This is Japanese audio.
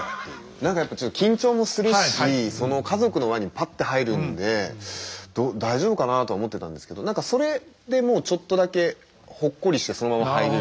何かやっぱ緊張もするしその家族の輪にパッて入るんで大丈夫かなと思ってたんですけど何かそれでちょっとだけほっこりしてそのまま入れるというか。